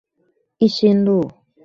一心路